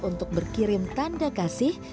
untuk berkirim tanda kasih